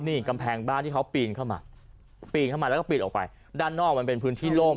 นี่กำแพงบ้านที่เขาปีนเข้ามาปีนเข้ามาแล้วก็ปีนออกไปด้านนอกมันเป็นพื้นที่โล่ง